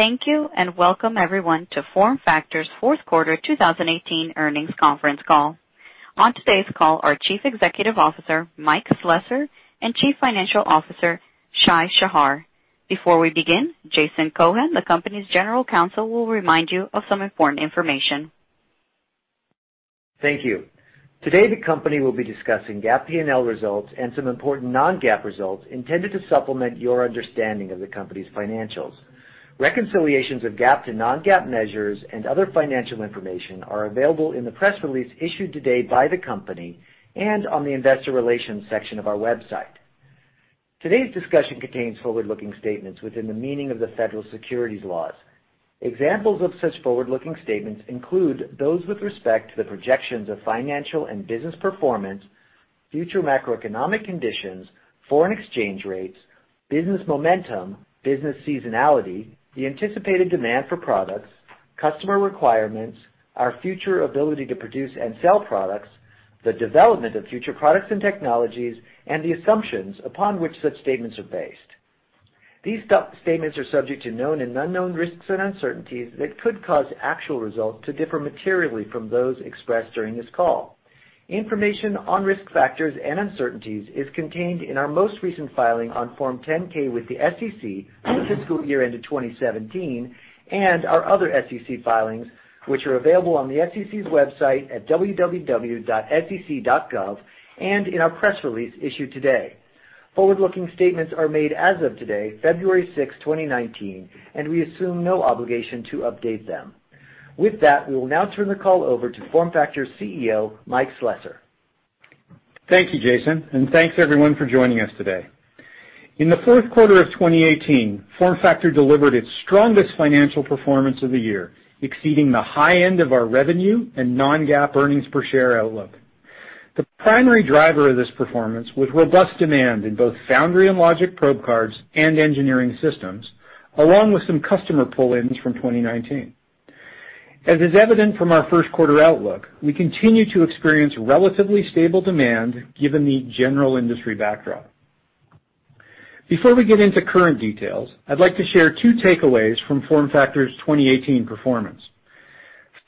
Thank you, and welcome, everyone, to FormFactor's fourth quarter 2018 earnings conference call. On today's call are Chief Executive Officer, Mike Slessor, and Chief Financial Officer, Shai Shahar. Before we begin, Jason Cohen, the company's general counsel, will remind you of some important information. Thank you. Today, the company will be discussing GAAP P&L results and some important non-GAAP results intended to supplement your understanding of the company's financials. Reconciliations of GAAP to non-GAAP measures and other financial information are available in the press release issued today by the company and on the investor relations section of our website. Today's discussion contains forward-looking statements within the meaning of the federal securities laws. Examples of such forward-looking statements include those with respect to the projections of financial and business performance, future macroeconomic conditions, foreign exchange rates, business momentum, business seasonality, the anticipated demand for products, customer requirements, our future ability to produce and sell products, the development of future products and technologies, and the assumptions upon which such statements are based. These statements are subject to known and unknown risks and uncertainties that could cause actual results to differ materially from those expressed during this call. Information on risk factors and uncertainties is contained in our most recent filing on Form 10-K with the SEC for the fiscal year ended 2017, and our other SEC filings, which are available on the SEC's website at www.sec.gov, and in our press release issued today. Forward-looking statements are made as of today, February sixth, 2019, and we assume no obligation to update them. With that, we will now turn the call over to FormFactor CEO, Mike Slessor. Thank you, Jason, and thanks everyone for joining us today. In the fourth quarter of 2018, FormFactor delivered its strongest financial performance of the year, exceeding the high end of our revenue and non-GAAP earnings per share outlook. The primary driver of this performance was robust demand in both foundry and logic probe cards and engineering systems, along with some customer pull-ins from 2019. As is evident from our first quarter outlook, we continue to experience relatively stable demand given the general industry backdrop. Before we get into current details, I'd like to share two takeaways from FormFactor's 2018 performance.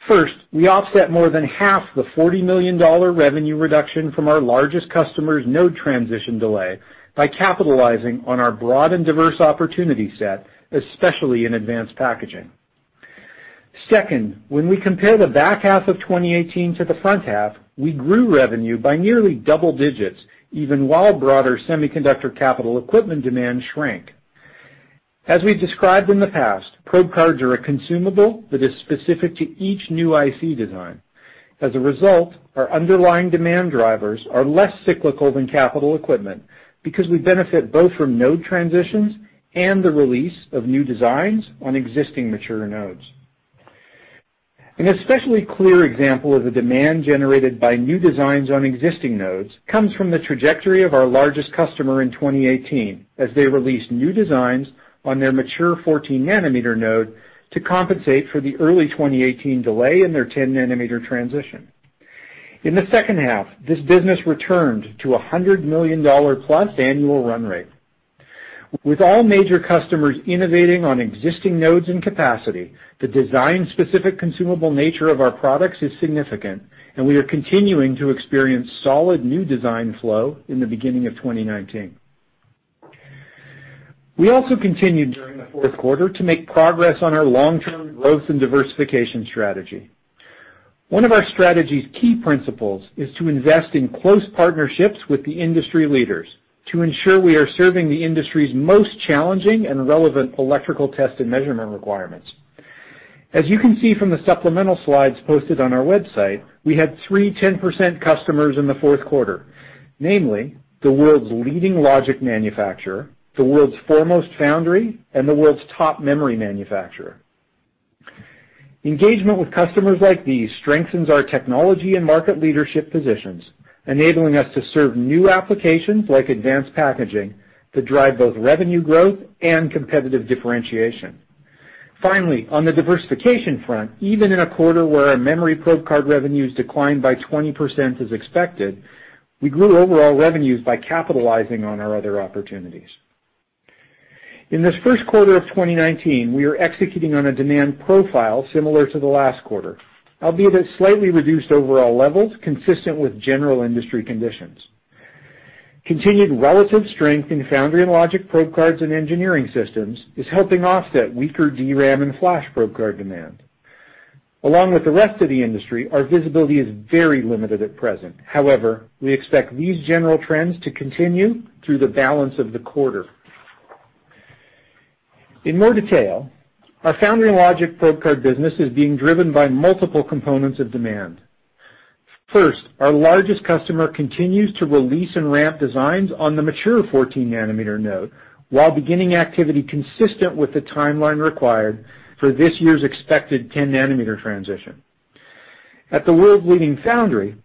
First, we offset more than half the $40 million revenue reduction from our largest customer's node transition delay by capitalizing on our broad and diverse opportunity set, especially in advanced packaging. Second, when we compare the back half of 2018 to the front half, we grew revenue by nearly double digits, even while broader semiconductor capital equipment demand shrank. As we've described in the past, probe cards are a consumable that is specific to each new IC design. As a result, our underlying demand drivers are less cyclical than capital equipment, because we benefit both from node transitions and the release of new designs on existing mature nodes. An especially clear example of the demand generated by new designs on existing nodes comes from the trajectory of our largest customer in 2018, as they released new designs on their mature 14 nanometer node to compensate for the early 2018 delay in their 10 nanometer transition. In the second half, this business returned to a $100 million-plus annual run rate. With all major customers innovating on existing nodes and capacity, the design-specific consumable nature of our products is significant, and we are continuing to experience solid new design flow in the beginning of 2019. We also continued during the fourth quarter to make progress on our long-term growth and diversification strategy. One of our strategy's key principles is to invest in close partnerships with the industry leaders to ensure we are serving the industry's most challenging and relevant electrical test and measurement requirements. As you can see from the supplemental slides posted on our website, we had three 10% customers in the fourth quarter. Namely, the world's leading logic manufacturer, the world's foremost foundry, and the world's top memory manufacturer. Engagement with customers like these strengthens our technology and market leadership positions, enabling us to serve new applications like advanced packaging that drive both revenue growth and competitive differentiation. Finally, on the diversification front, even in a quarter where our memory probe card revenues declined by 20% as expected, we grew overall revenues by capitalizing on our other opportunities. In this first quarter of 2019, we are executing on a demand profile similar to the last quarter, albeit at slightly reduced overall levels consistent with general industry conditions. Continued relative strength in foundry and logic probe cards and engineering systems is helping offset weaker DRAM and flash probe card demand. Along with the rest of the industry, our visibility is very limited at present. However, we expect these general trends to continue through the balance of the quarter. In more detail, our foundry and logic Probe Card business is being driven by multiple components of demand. First, our largest customer continues to release and ramp designs on the mature 14 nanometer node while beginning activity consistent with the timeline required for this year's expected 10 nanometer transition. At the world-leading foundry,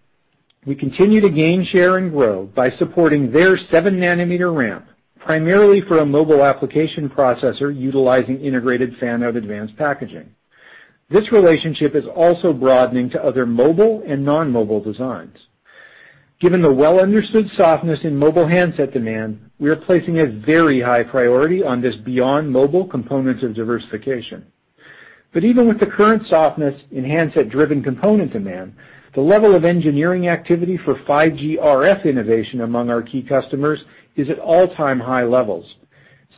we continue to gain share and grow by supporting their seven-nanometer ramp, primarily for a mobile application processor utilizing integrated fan-out advanced packaging. This relationship is also broadening to other mobile and non-mobile designs. Given the well-understood softness in mobile handset demand, we are placing a very high priority on this beyond mobile components of diversification. Even with the current softness in handset-driven component demand, the level of engineering activity for 5G RF innovation among our key customers is at all-time high levels,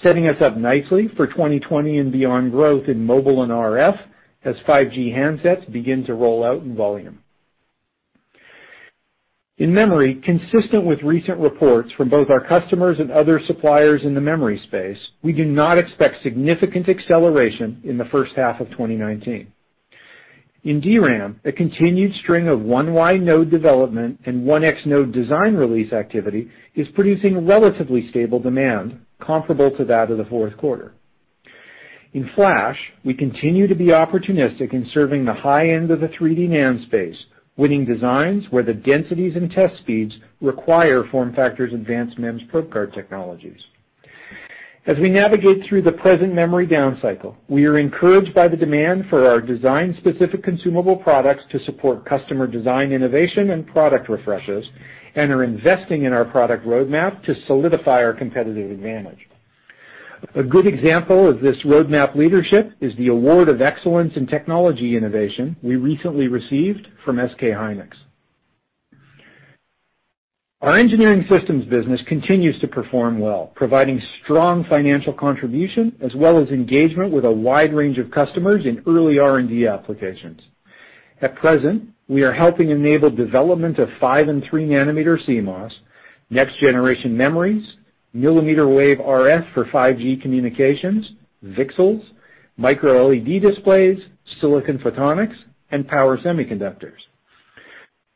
setting us up nicely for 2020 and beyond growth in mobile and RF as 5G handsets begin to roll out in volume. In memory, consistent with recent reports from both our customers and other suppliers in the memory space, we do not expect significant acceleration in the first half of 2019. In DRAM, a continued string of 1Y node development and 1X node design release activity is producing relatively stable demand comparable to that of the fourth quarter. In flash, we continue to be opportunistic in serving the high end of the 3D NAND space, winning designs where the densities and test speeds require FormFactor's advanced MEMS Probe Card technologies. As we navigate through the present memory down cycle, we are encouraged by the demand for our design-specific consumable products to support customer design innovation and product refreshes, and are investing in our product roadmap to solidify our competitive advantage. A good example of this roadmap leadership is the award of excellence in technology innovation we recently received from SK Hynix. Our engineering systems business continues to perform well, providing strong financial contribution as well as engagement with a wide range of customers in early R&D applications. At present, we are helping enable development of five and three nanometer CMOS, next generation memories, millimeter wave RF for 5G communications, VCSELs, microLED displays, silicon photonics, and power semiconductors.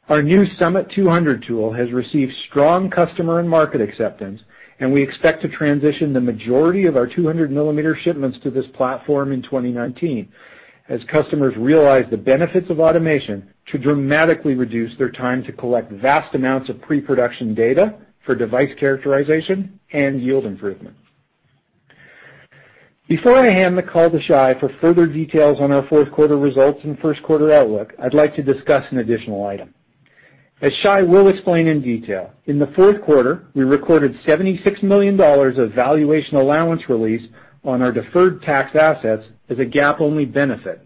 Our new SUMMIT200 tool has received strong customer and market acceptance. We expect to transition the majority of our 200-millimeter shipments to this platform in 2019, as customers realize the benefits of automation to dramatically reduce their time to collect vast amounts of pre-production data for device characterization and yield improvement. Before I hand the call to Shai for further details on our fourth quarter results and first quarter outlook, I'd like to discuss an additional item. As Shai will explain in detail, in the fourth quarter, we recorded $76 million of valuation allowance release on our deferred tax assets as a GAAP-only benefit.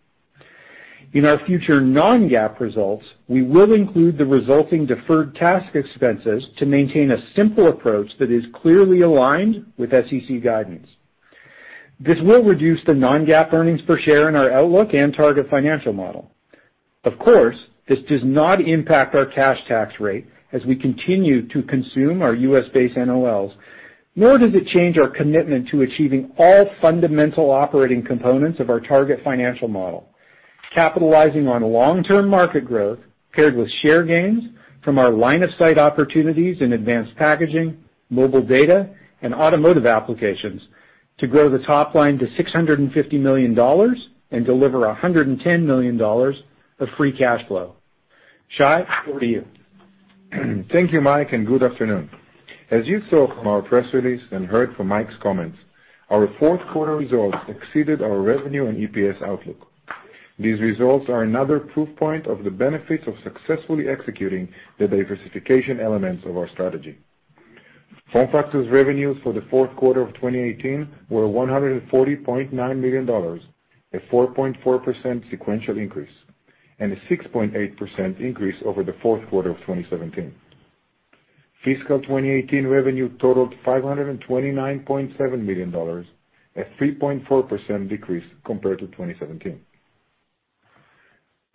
In our future non-GAAP results, we will include the resulting deferred tax expenses to maintain a simple approach that is clearly aligned with SEC guidance. This will reduce the non-GAAP earnings per share in our outlook and target financial model. Of course, this does not impact our cash tax rate as we continue to consume our U.S.-based NOLs, nor does it change our commitment to achieving all fundamental operating components of our target financial model. Capitalizing on long-term market growth paired with share gains from our line of sight opportunities in advanced packaging, mobile data, and automotive applications to grow the top line to $650 million and deliver $110 million of free cash flow. Shai, over to you. Thank you, Mike, good afternoon. As you saw from our press release and heard from Mike's comments, our fourth quarter results exceeded our revenue and EPS outlook. These results are another proof point of the benefits of successfully executing the diversification elements of our strategy. FormFactor's revenues for the fourth quarter of 2018 were $140.9 million, a 4.4% sequential increase, a 6.8% increase over the fourth quarter of 2017. Fiscal 2018 revenue totaled $529.7 million, a 3.4% decrease compared to 2017.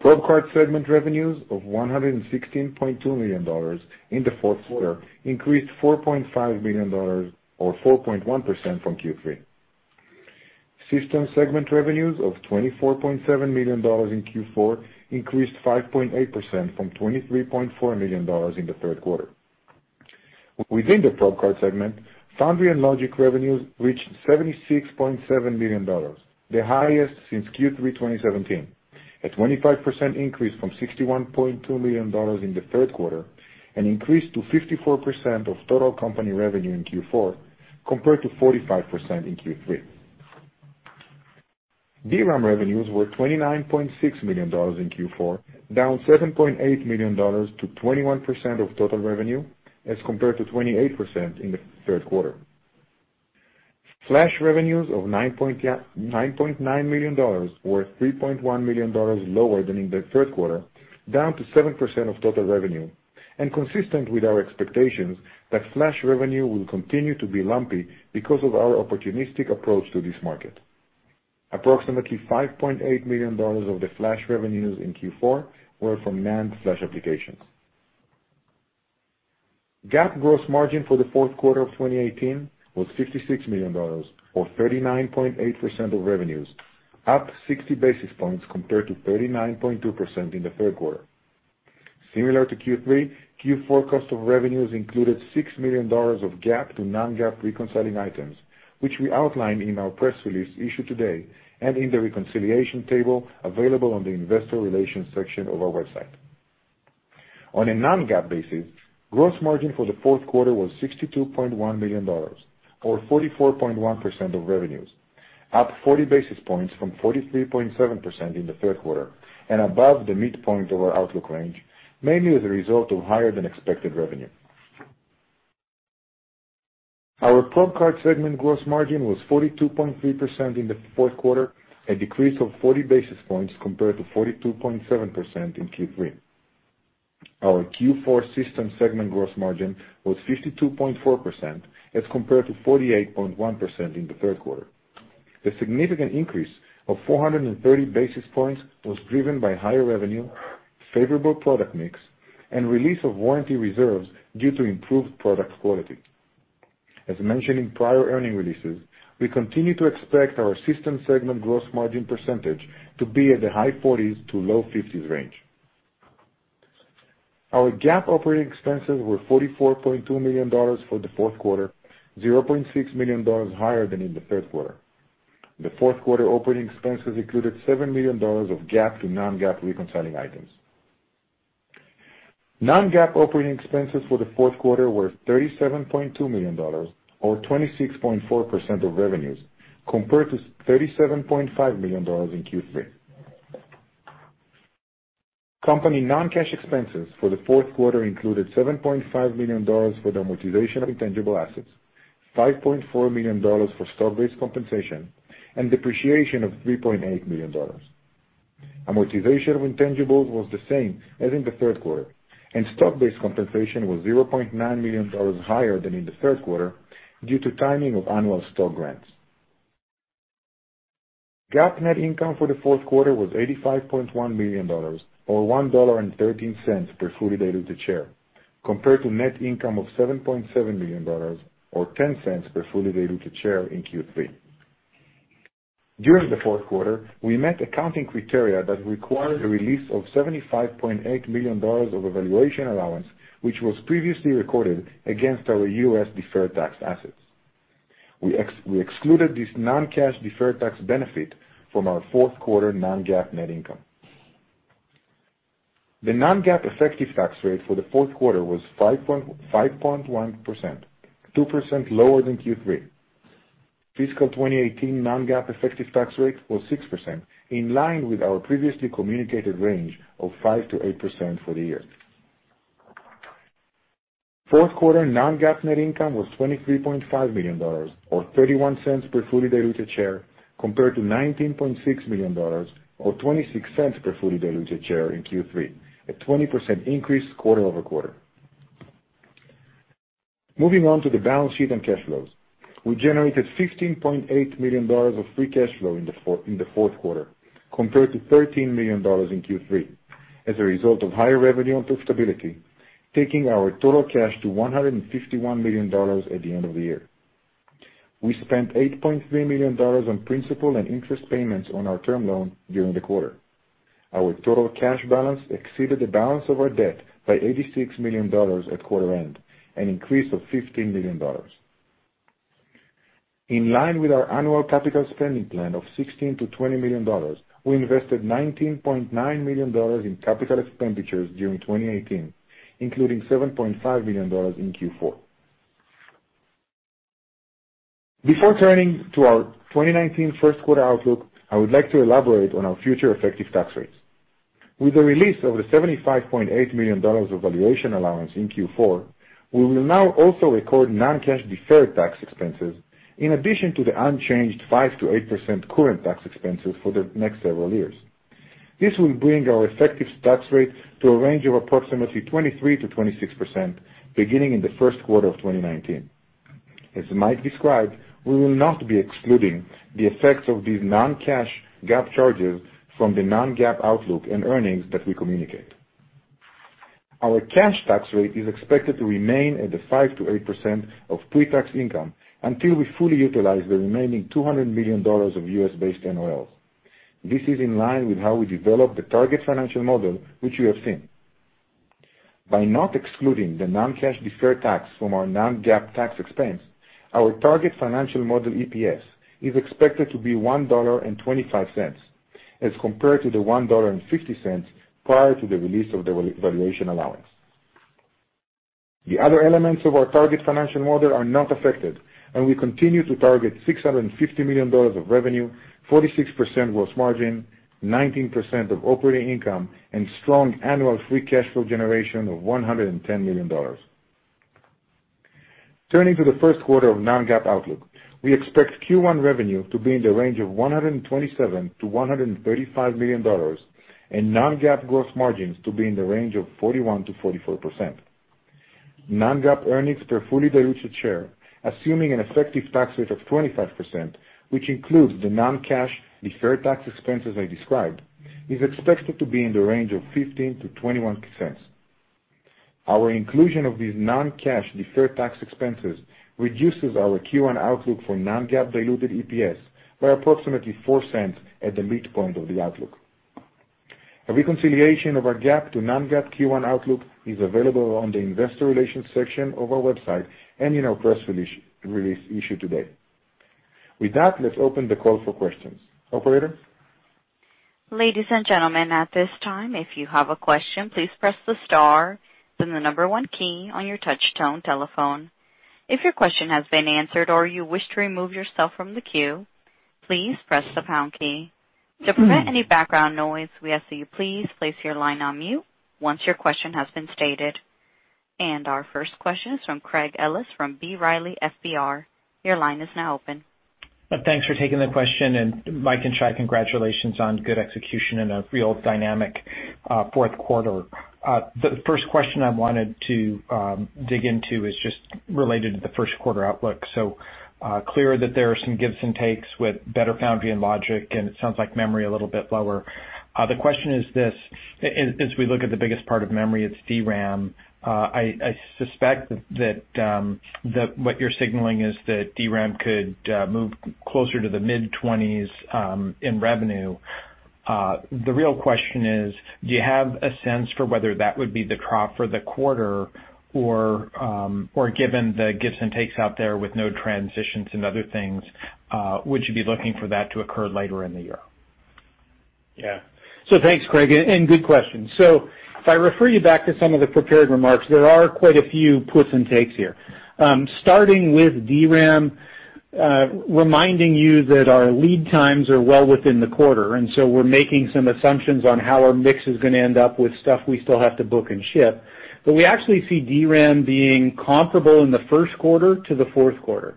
Probe Card segment revenues of $116.2 million in the fourth quarter increased $4.5 million or 4.1% from Q3. System segment revenues of $24.7 million in Q4 increased 5.8% from $23.4 million in the third quarter. Within the Probe Card segment, foundry and logic revenues reached $76.7 million, the highest since Q3 2017, a 25% increase from $61.2 million in the third quarter, an increase to 54% of total company revenue in Q4 compared to 45% in Q3. DRAM revenues were $29.6 million in Q4, down $7.8 million to 21% of total revenue as compared to 28% in the third quarter. Flash revenues of $9.9 million were $3.1 million lower than in the third quarter, down to 7% of total revenue, and consistent with our expectations that flash revenue will continue to be lumpy because of our opportunistic approach to this market. Approximately $5.8 million of the flash revenues in Q4 were from NAND flash applications. GAAP gross margin for the fourth quarter of 2018 was $56 million, or 39.8% of revenues, up 60 basis points compared to 39.2% in the third quarter. Similar to Q3, Q4 cost of revenues included $6 million of GAAP to non-GAAP reconciling items, which we outlined in our press release issued today and in the reconciliation table available on the investor relations section of our website. On a non-GAAP basis, gross margin for the fourth quarter was $62.1 million, or 44.1% of revenues, up 40 basis points from 43.7% in the third quarter and above the midpoint of our outlook range, mainly as a result of higher than expected revenue. Our Probe Card segment gross margin was 42.3% in the fourth quarter, a decrease of 40 basis points compared to 42.7% in Q3. Our Q4 system segment gross margin was 52.4% as compared to 48.1% in the third quarter. The significant increase of 430 basis points was driven by higher revenue, favorable product mix, and release of warranty reserves due to improved product quality. As mentioned in prior earnings releases, we continue to expect our system segment gross margin percentage to be at the high 40s to low 50s range. Our GAAP operating expenses were $44.2 million for the fourth quarter, $0.6 million higher than in the third quarter. The fourth quarter operating expenses included $7 million of GAAP to non-GAAP reconciling items. Non-GAAP operating expenses for the fourth quarter were $37.2 million, or 26.4% of revenues, compared to $37.5 million in Q3. Company non-cash expenses for the fourth quarter included $7.5 million for the amortization of intangible assets, $5.4 million for stock-based compensation, and depreciation of $3.8 million. Amortization of intangibles was the same as in the third quarter, and stock-based compensation was $0.9 million higher than in the third quarter due to timing of annual stock grants. GAAP net income for the fourth quarter was $85.1 million, or $1.13 per fully diluted share, compared to net income of $7.7 million or $0.10 per fully diluted share in Q3. During the fourth quarter, we met accounting criteria that required the release of $75.8 million of valuation allowance, which was previously recorded against our U.S. deferred tax assets. We excluded this non-cash deferred tax benefit from our fourth quarter non-GAAP net income. The non-GAAP effective tax rate for the fourth quarter was 5.1%, 2% lower than Q3. Fiscal 2018 non-GAAP effective tax rate was 6%, in line with our previously communicated range of 5% to 8% for the year. Fourth quarter non-GAAP net income was $23.5 million, or $0.31 per fully diluted share, compared to $19.6 million or $0.26 per fully diluted share in Q3, a 20% increase quarter-over-quarter. Moving on to the balance sheet and cash flows. We generated $15.8 million of free cash flow in the fourth quarter, compared to $13 million in Q3, as a result of higher revenue and profitability, taking our total cash to $151 million at the end of the year. We spent $8.3 million on principal and interest payments on our term loan during the quarter. Our total cash balance exceeded the balance of our debt by $86 million at quarter end, an increase of $15 million. In line with our annual capital spending plan of $16 million to $20 million, we invested $19.9 million in capital expenditures during 2018, including $7.5 million in Q4. Before turning to our 2019 first quarter outlook, I would like to elaborate on our future effective tax rates. With the release of the $75.8 million of valuation allowance in Q4, we will now also record non-cash deferred tax expenses in addition to the unchanged 5%-8% current tax expenses for the next several years. This will bring our effective tax rate to a range of approximately 23%-26%, beginning in the first quarter of 2019. As Mike described, we will not be excluding the effects of these non-cash GAAP charges from the non-GAAP outlook and earnings that we communicate. Our cash tax rate is expected to remain at the 5%-8% of pre-tax income until we fully utilize the remaining $200 million of U.S.-based NOLs. This is in line with how we develop the target financial model, which you have seen. By not excluding the non-cash deferred tax from our non-GAAP tax expense, our target financial model EPS is expected to be $1.25, as compared to the $1.50 prior to the release of the valuation allowance. The other elements of our target financial model are not affected, and we continue to target $650 million of revenue, 46% gross margin, 19% of operating income, and strong annual free cash flow generation of $110 million. Turning to the first quarter of non-GAAP outlook. We expect Q1 revenue to be in the range of $127 million to $135 million, and non-GAAP gross margins to be in the range of 41%-44%. Non-GAAP earnings per fully diluted share, assuming an effective tax rate of 25%, which includes the non-cash deferred tax expense as I described, is expected to be in the range of $0.15 to $0.21. Our inclusion of these non-cash deferred tax expenses reduces our Q1 outlook for non-GAAP diluted EPS by approximately $0.04 at the midpoint of the outlook. A reconciliation of our GAAP to non-GAAP Q1 outlook is available on the investor relations section of our website and in our press release issued today. With that, let's open the call for questions. Operator? Ladies and gentlemen, at this time, if you have a question, please press the star then the number 1 key on your touch-tone telephone. If your question has been answered or you wish to remove yourself from the queue, please press the pound key. To prevent any background noise, we ask that you please place your line on mute once your question has been stated. Our first question is from Craig Ellis from B. Riley FBR. Your line is now open. Thanks for taking the question, Mike and Shai, congratulations on good execution in a real dynamic fourth quarter. The first question I wanted to dig into is just related to the first quarter outlook. Clear that there are some gives and takes with better foundry and logic, and it sounds like memory a little bit lower. The question is this, as we look at the biggest part of memory, it's DRAM. I suspect that what you're signaling is that DRAM could move closer to the mid-20s in revenue. The real question is, do you have a sense for whether that would be the crop for the quarter, or given the gives and takes out there with no transitions and other things, would you be looking for that to occur later in the year? Yeah. Thanks, Craig, and good question. If I refer you back to some of the prepared remarks, there are quite a few puts and takes here. Starting with DRAM, reminding you that our lead times are well within the quarter, we're making some assumptions on how our mix is going to end up with stuff we still have to book and ship. We actually see DRAM being comparable in the first quarter to the fourth quarter.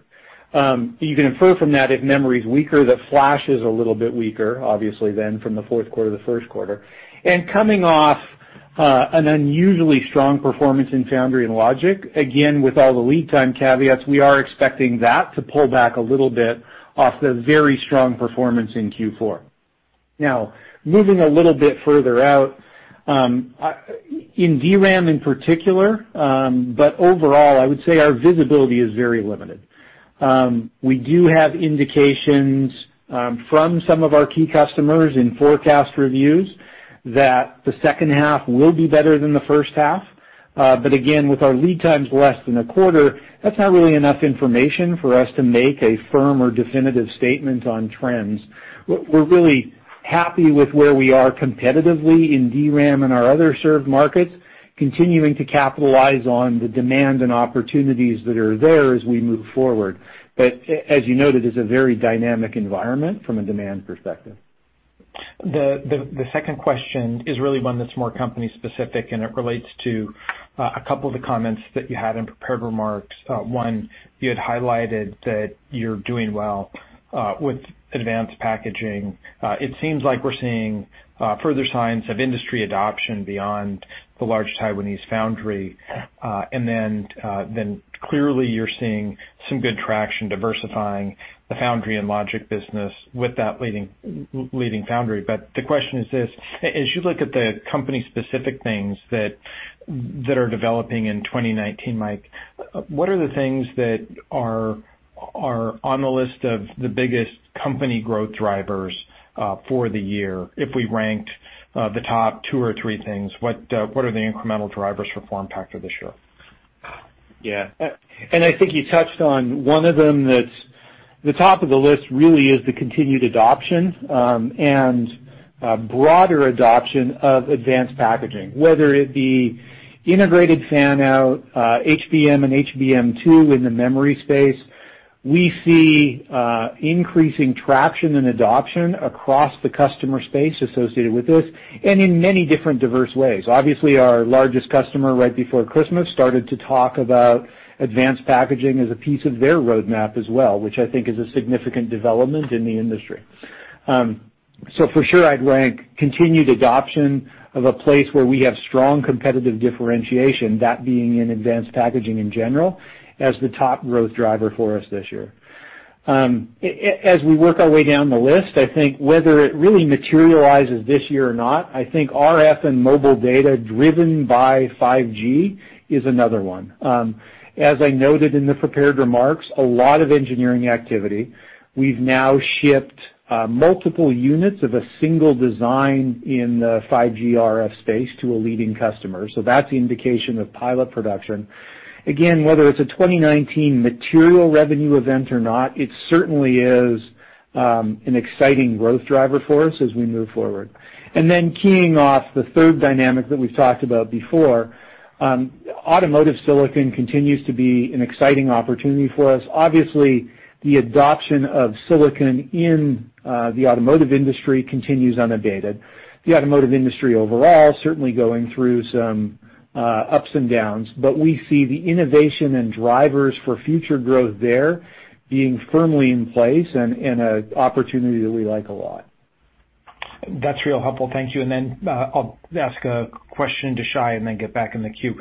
You can infer from that if memory's weaker, that flash is a little bit weaker, obviously then, from the fourth quarter to the first quarter. Coming off an unusually strong performance in foundry and logic, again, with all the lead time caveats, we are expecting that to pull back a little bit off the very strong performance in Q4. Moving a little bit further out, in DRAM in particular, but overall, I would say our visibility is very limited. We do have indications from some of our key customers in forecast reviews that the second half will be better than the first half. Again, with our lead times less than a quarter, that's not really enough information for us to make a firm or definitive statement on trends. We're really happy with where we are competitively in DRAM and our other served markets, continuing to capitalize on the demand and opportunities that are there as we move forward. As you noted, it's a very dynamic environment from a demand perspective. The second question is really one that's more company specific. It relates to a couple of the comments that you had in prepared remarks. One, you had highlighted that you're doing well with advanced packaging. It seems like we're seeing further signs of industry adoption beyond the large Taiwanese foundry. Clearly, you're seeing some good traction diversifying the foundry and logic business with that leading foundry. The question is this, as you look at the company specific things that are developing in 2019, Mike, what are the things that are on the list of the biggest company growth drivers for the year? If we ranked the top two or three things, what are the incremental drivers for FormFactor this year? Yeah. I think you touched on one of them that's the top of the list really is the continued adoption and broader adoption of advanced packaging, whether it be integrated fan-out, HBM and HBM2 in the memory space. We see increasing traction and adoption across the customer space associated with this and in many different diverse ways. Obviously, our largest customer right before Christmas started to talk about advanced packaging as a piece of their roadmap as well, which I think is a significant development in the industry. For sure, I'd rank continued adoption of a place where we have strong competitive differentiation, that being in advanced packaging in general, as the top growth driver for us this year. As we work our way down the list, I think whether it really materializes this year or not, I think RF and mobile data driven by 5G is another one. As I noted in the prepared remarks, a lot of engineering activity. We've now shipped multiple units of a single design in the 5G RF space to a leading customer, so that's the indication of pilot production. Again, whether it's a 2019 material revenue event or not, it certainly is an exciting growth driver for us as we move forward. Keying off the third dynamic that we've talked about before, automotive silicon continues to be an exciting opportunity for us. Obviously, the adoption of silicon in the automotive industry continues unabated. The automotive industry overall, certainly going through some ups and downs. We see the innovation and drivers for future growth there being firmly in place and an opportunity that we like a lot. That's real helpful. Thank you. Then I'll ask a question to Shai and then get back in the queue.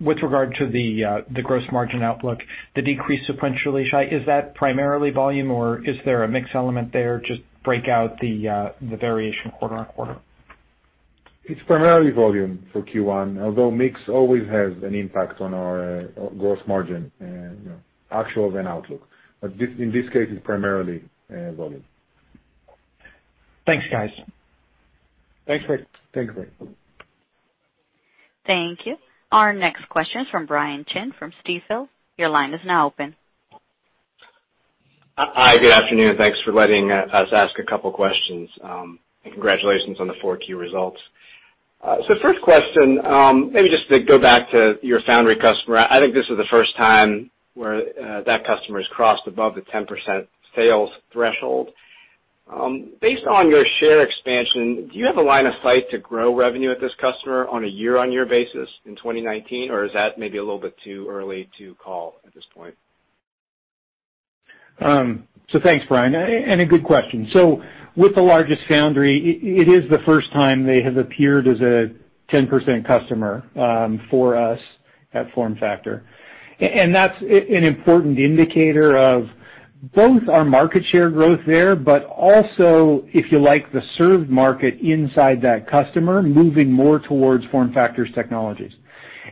With regard to the gross margin outlook, the decrease sequentially, Shai, is that primarily volume, or is there a mix element there? Just break out the variation quarter on quarter. It's primarily volume for Q1, although mix always has an impact on our gross margin actual then outlook. In this case, it's primarily volume. Thanks, guys. Thanks, Craig. Thanks, Craig. Thank you. Our next question is from Brian Chin from Stifel. Your line is now open. Hi, good afternoon. Thanks for letting us ask a couple questions. Congratulations on the 4Q results. So first question, maybe just to go back to your foundry customer. I think this is the first time where that customer has crossed above the 10% sales threshold. Based on your share expansion, do you have a line of sight to grow revenue with this customer on a year-on-year basis in 2019, or is that maybe a little bit too early to call at this point? Thanks, Brian, and a good question. With the largest foundry, it is the first time they have appeared as a 10% customer for us at FormFactor. That's an important indicator of both our market share growth there, but also, if you like, the served market inside that customer, moving more towards FormFactor's technologies.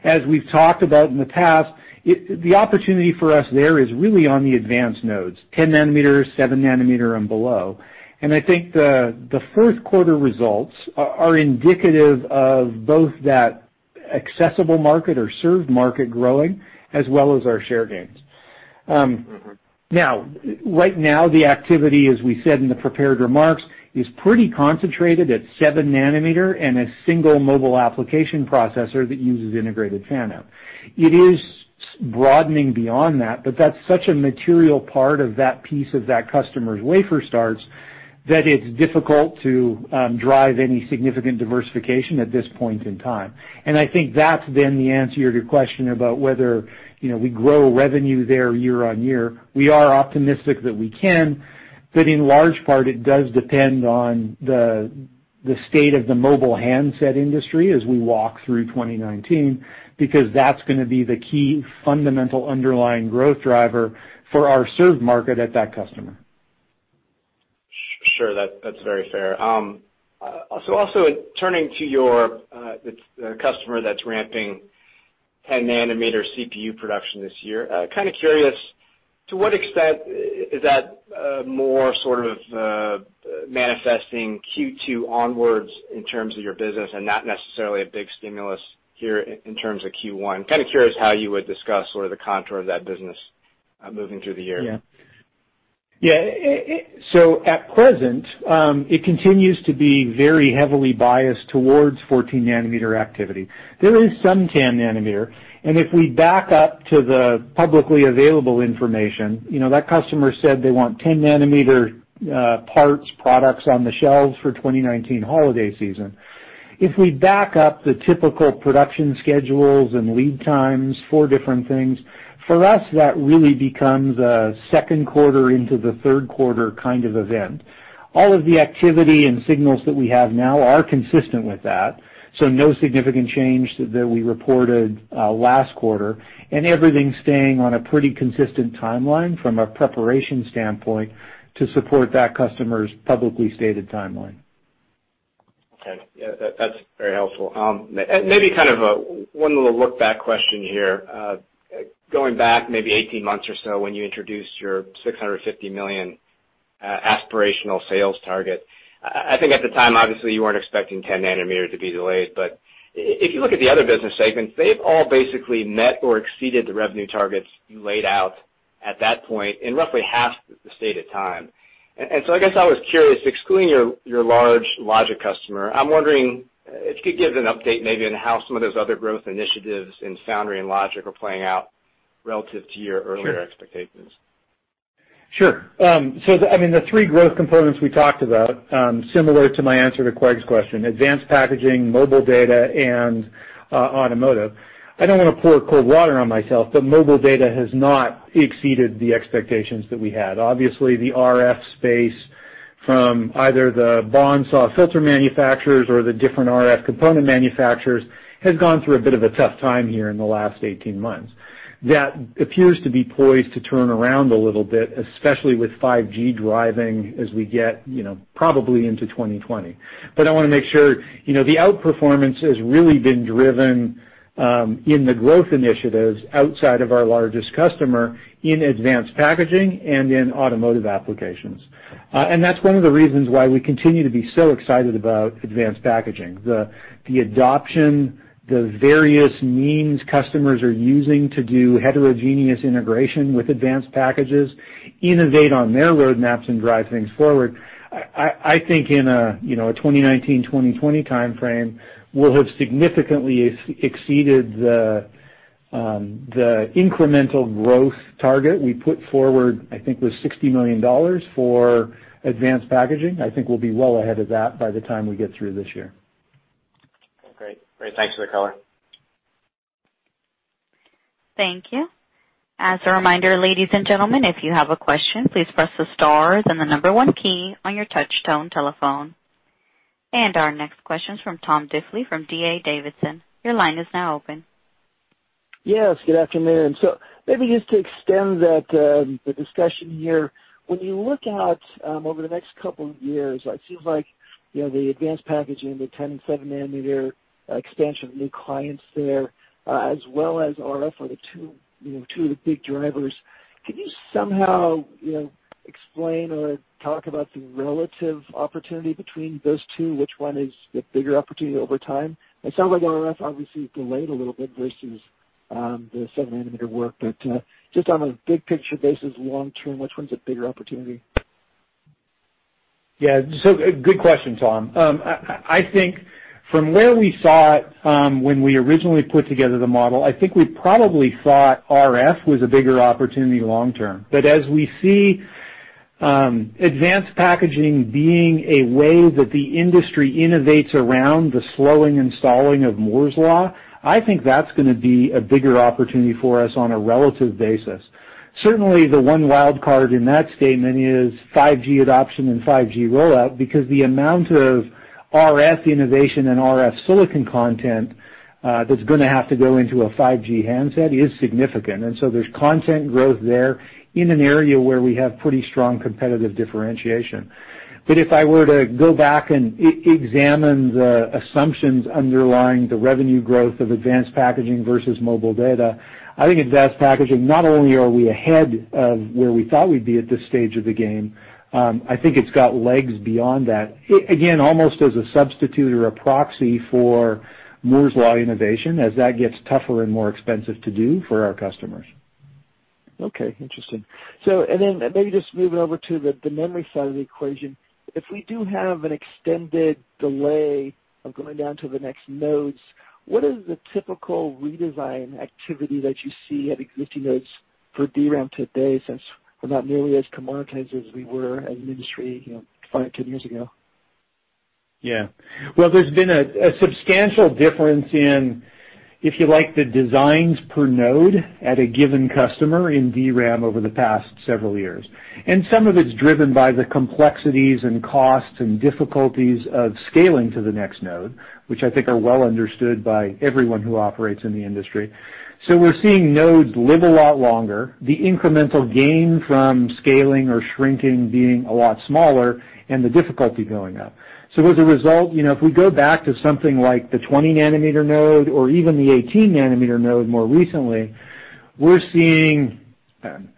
As we've talked about in the past, the opportunity for us there is really on the advanced nodes, 10 nanometers, seven nanometer and below. I think the first quarter results are indicative of both that accessible market or served market growing as well as our share gains. right now, the activity, as we said in the prepared remarks, is pretty concentrated at seven nanometer and a single mobile application processor that uses integrated fan-out. It is broadening beyond that, but that's such a material part of that piece of that customer's wafer starts that it's difficult to drive any significant diversification at this point in time. I think that's the answer to your question about whether we grow revenue there year-on-year. We are optimistic that we can, but in large part, it does depend on the state of the mobile handset industry as we walk through 2019, because that's going to be the key fundamental underlying growth driver for our served market at that customer. Sure, that's very fair. Also turning to your customer that's ramping 10-nanometer CPU production this year, kind of curious, to what extent is that more sort of manifesting Q2 onwards in terms of your business and not necessarily a big stimulus here in terms of Q1? Kind of curious how you would discuss sort of the contour of that business moving through the year. At present, it continues to be very heavily biased towards 14-nanometer activity. There is some 10 nanometer, and if we back up to the publicly available information, that customer said they want 10-nanometer parts, products on the shelves for 2019 holiday season. If we back up the typical production schedules and lead times for different things, for us, that really becomes a second quarter into the third quarter kind of event. All of the activity and signals that we have now are consistent with that. No significant change that we reported last quarter, and everything's staying on a pretty consistent timeline from a preparation standpoint to support that customer's publicly stated timeline. That's very helpful. Maybe kind of one little look back question here. Going back maybe 18 months or so, when you introduced your $650 million aspirational sales target, I think at the time, obviously, you weren't expecting 10 nanometer to be delayed. If you look at the other business segments, they've all basically met or exceeded the revenue targets you laid out at that point in roughly half the stated time. I guess I was curious, excluding your large logic customer, I'm wondering if you could give an update maybe on how some of those other growth initiatives in foundry and logic are playing out relative to your earlier expectations. The three growth components we talked about, similar to my answer to Craig's question, advanced packaging, mobile data, and automotive. I don't want to pour cold water on myself, mobile data has not exceeded the expectations that we had. Obviously, the RF space from either the BAW/SAW filter manufacturers or the different RF component manufacturers has gone through a bit of a tough time here in the last 18 months. That appears to be poised to turn around a little bit, especially with 5G driving as we get probably into 2020. I want to make sure, the outperformance has really been driven in the growth initiatives outside of our largest customer in advanced packaging and in automotive applications. That's one of the reasons why we continue to be so excited about advanced packaging. The adoption, the various means customers are using to do heterogeneous integration with advanced packages, innovate on their roadmaps and drive things forward. I think in a 2019, 2020 timeframe, we'll have significantly exceeded the incremental growth target we put forward, I think was $60 million for advanced packaging. I think we'll be well ahead of that by the time we get through this year. Great. Thanks for the color. Thank you. As a reminder, ladies and gentlemen, if you have a question, please press the star then the number 1 key on your touch tone telephone. Our next question is from Tom Diffely from D.A. Davidson. Your line is now open. Yes, good afternoon. Maybe just to extend the discussion here. When you look out over the next couple of years, it seems like the advanced packaging, the 10 and seven-nanometer expansion of new clients there, as well as RF are the two of the big drivers. Can you somehow explain or talk about the relative opportunity between those two, which one is the bigger opportunity over time? It sounds like RF obviously delayed a little bit versus the seven-nanometer work, but just on a big picture basis long-term, which one's a bigger opportunity? Good question, Tom. I think from where we saw it when we originally put together the model, I think we probably thought RF was a bigger opportunity long-term. As we see advanced packaging being a way that the industry innovates around the slowing and stalling of Moore's law, I think that's going to be a bigger opportunity for us on a relative basis. Certainly, the one wild card in that statement is 5G adoption and 5G rollout, because the amount of RF innovation and RF silicon content that's going to have to go into a 5G handset is significant. There's content growth there in an area where we have pretty strong competitive differentiation. If I were to go back and examine the assumptions underlying the revenue growth of advanced packaging versus mobile data, I think advanced packaging, not only are we ahead of where we thought we'd be at this stage of the game, I think it's got legs beyond that. Again, almost as a substitute or a proxy for Moore's law innovation as that gets tougher and more expensive to do for our customers. Okay, interesting. Maybe just moving over to the memory side of the equation, if we do have an extended delay of going down to the next nodes, what is the typical redesign activity that you see at existing nodes for DRAM today, since we're not nearly as commoditized as we were as an industry 10 years ago? Yeah. Well, there's been a substantial difference in, if you like, the designs per node at a given customer in DRAM over the past several years. Some of it's driven by the complexities and costs and difficulties of scaling to the next node, which I think are well understood by everyone who operates in the industry. We're seeing nodes live a lot longer, the incremental gain from scaling or shrinking being a lot smaller and the difficulty going up. As a result, if we go back to something like the 20-nanometer node or even the 18-nanometer node more recently, we're seeing, I'm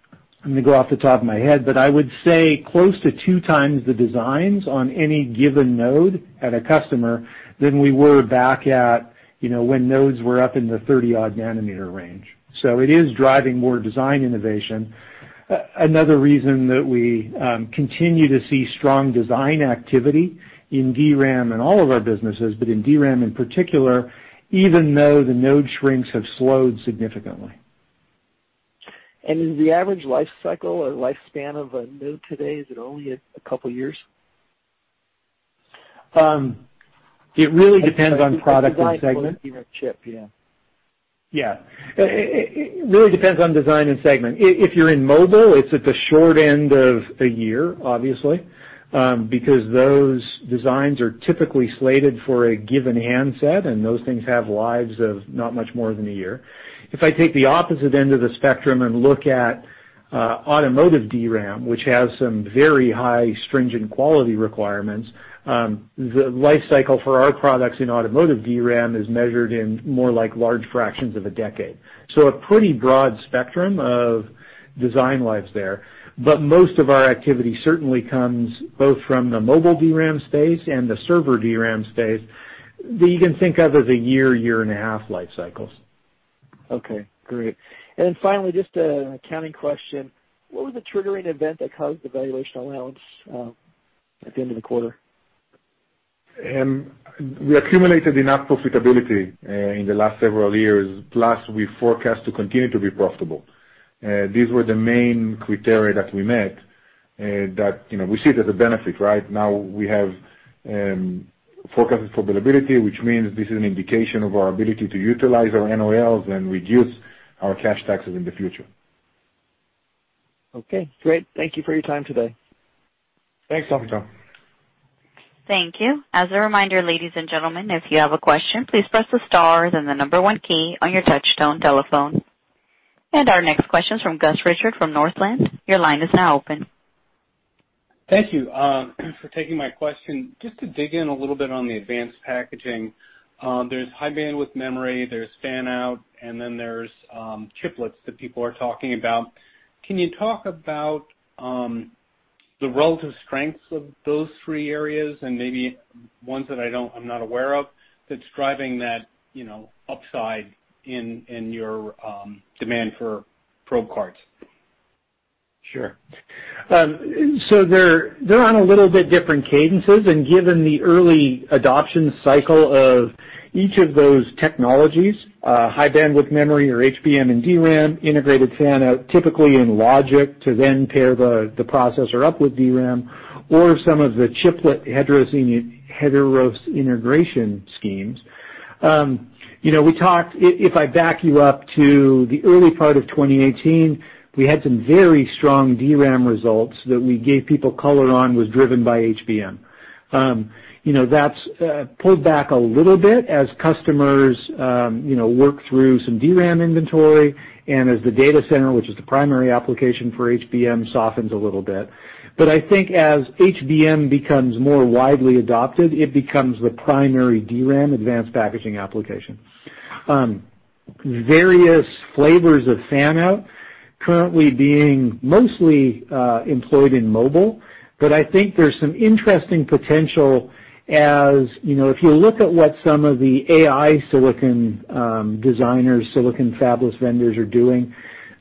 going to go off the top of my head, but I would say close to two times the designs on any given node at a customer than we were back at when nodes were up in the 30-odd nanometer range. It is driving more design innovation. Another reason that we continue to see strong design activity in DRAM and all of our businesses, but in DRAM in particular, even though the node shrinks have slowed significantly. Is the average life cycle or lifespan of a node today, is it only a couple of years? It really depends on product and segment. chip, yeah. It really depends on design and segment. If you're in mobile, it's at the short end of a year, obviously, because those designs are typically slated for a given handset, and those things have lives of not much more than a year. If I take the opposite end of the spectrum and look at automotive DRAM, which has some very high stringent quality requirements, the life cycle for our products in automotive DRAM is measured in more like large fractions of a decade. A pretty broad spectrum of design lives there. Most of our activity certainly comes both from the mobile DRAM space and the server DRAM space that you can think of as a year and a half life cycles. Okay, great. Finally, just an accounting question. What was the triggering event that caused the valuation allowance at the end of the quarter? We accumulated enough profitability in the last several years, plus we forecast to continue to be profitable. These were the main criteria that we met, that we see it as a benefit, right? Now we have forecasted profitability, which means this is an indication of our ability to utilize our NOLs and reduce our cash taxes in the future. Okay, great. Thank you for your time today. Thanks, Tom. Thanks, Tom. Thank you. As a reminder, ladies and gentlemen, if you have a question, please press the star then the number 1 key on your touchtone telephone. Our next question is from Gus Richard from Northland. Your line is now open. Thank you for taking my question. Just to dig in a little bit on the advanced packaging. There's High Bandwidth Memory, there's fan-out, and then there's chiplets that people are talking about. Can you talk about the relative strengths of those three areas and maybe ones that I'm not aware of that's driving that upside in your demand for probe cards? Sure. They're on a little bit different cadences, and given the early adoption cycle of each of those technologies, High Bandwidth Memory or HBM and DRAM, integrated fan-out, typically in logic to then pair the processor up with DRAM or some of the chiplet heterogeneous integration schemes. If I back you up to the early part of 2018, we had some very strong DRAM results that we gave people color on was driven by HBM. That's pulled back a little bit as customers work through some DRAM inventory and as the data center, which is the primary application for HBM, softens a little bit. I think as HBM becomes more widely adopted, it becomes the primary DRAM advanced packaging application. Various flavors of fan-out currently being mostly employed in mobile, I think there's some interesting potential as, if you look at what some of the AI silicon designers, silicon fabless vendors are doing.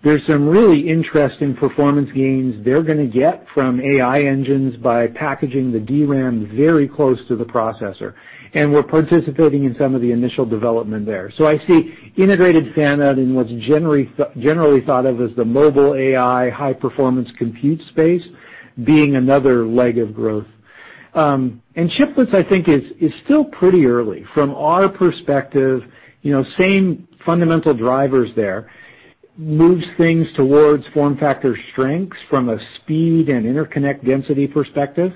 There's some really interesting performance gains they're going to get from AI engines by packaging the DRAM very close to the processor, and we're participating in some of the initial development there. I see integrated fan-out in what's generally thought of as the mobile AI high-performance compute space being another leg of growth. Chiplets, I think, is still pretty early. From our perspective, same fundamental drivers there. Moves things towards FormFactor strengths from a speed and interconnect density perspective.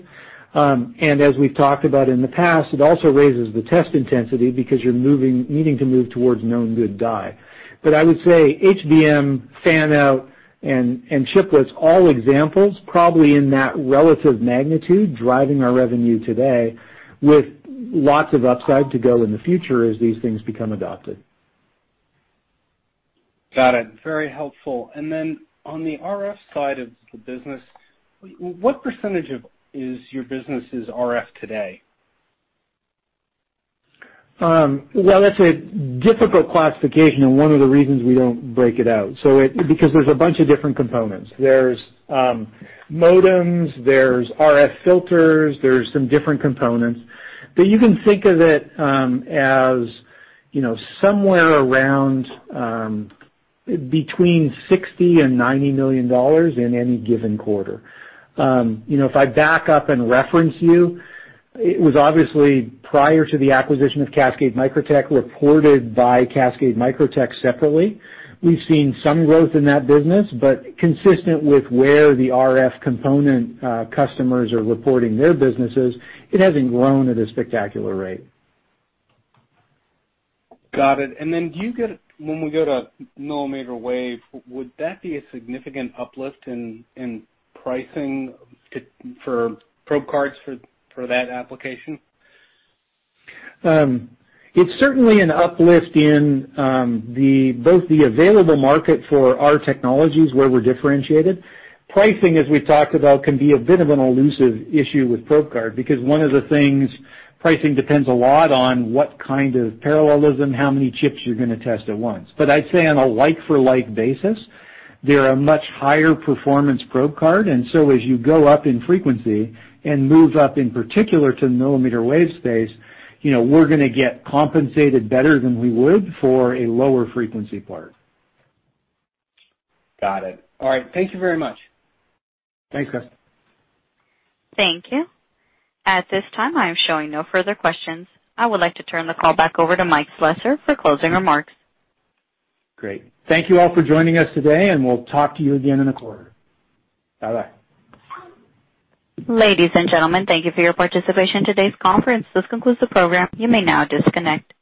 As we've talked about in the past, it also raises the test intensity because you're needing to move towards known good die. I would say HBM, fan-out, and chiplets, all examples probably in that relative magnitude driving our revenue today with lots of upside to go in the future as these things become adopted. Got it. Very helpful. On the RF side of the business, what percentage of your business is RF today? Well, that's a difficult classification and one of the reasons we don't break it out. There's a bunch of different components. There's modems, there's RF filters, there's some different components. You can think of it as somewhere around between $60 million-$90 million in any given quarter. If I back up and reference you, it was obviously prior to the acquisition of Cascade Microtech, reported by Cascade Microtech separately. We've seen some growth in that business, but consistent with where the RF component customers are reporting their businesses, it hasn't grown at a spectacular rate. Got it. When we go to millimeter wave, would that be a significant uplift in pricing for Probe Cards for that application? It's certainly an uplift in both the available market for our technologies where we're differentiated. Pricing, as we've talked about, can be a bit of an elusive issue with Probe Card, because one of the things, pricing depends a lot on what kind of parallelism, how many chips you're going to test at once. I'd say on a like for like basis, they're a much higher performance Probe Card. As you go up in frequency and move up in particular to millimeter wave space, we're going to get compensated better than we would for a lower frequency part. Got it. All right. Thank you very much. Thanks, Gus. Thank you. At this time, I am showing no further questions. I would like to turn the call back over to Mike Slessor for closing remarks. Great. Thank you all for joining us today, and we'll talk to you again in a quarter. Bye-bye. Ladies and gentlemen, thank you for your participation in today's conference. This concludes the program. You may now disconnect.